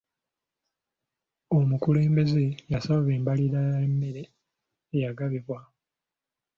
Omukulembeze yasaba embalirira y'emmere eyagabibwa.